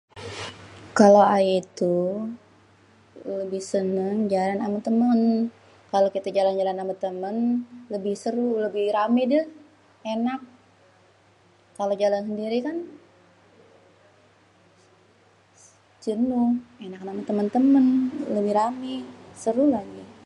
Kalo ayé tuh lebih seneng jalan ama temen. Kalo kita jalan-jalan ama temen lebih seru. Lebih rame deh enak. Kalo jalan sendiri kan jenuh. Ama temen-temen lebih rame, seru lagi.